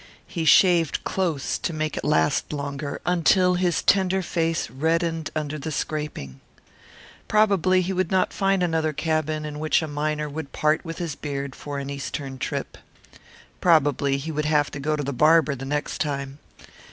He shaved close to make it last longer, until his tender face reddened under the scraping. Probably he would not find another cabin in which a miner would part with his beard for an Eastern trip. Probably he would have to go to the barber the next time.